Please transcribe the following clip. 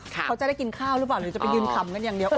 เขาจะได้กินข้าวหรือเปล่าหรือจะไปยืนขำกันอย่างเดียว